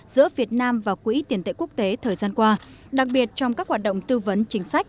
giữa việt nam và quỹ tiền tệ quốc tế thời gian qua đặc biệt trong các hoạt động tư vấn chính sách